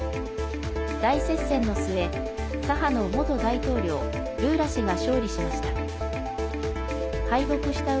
大接戦の末、左派の元大統領ルーラ氏が勝利しました。